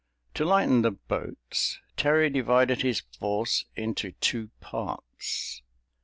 To lighten the boats, Terry divided his force into two parts.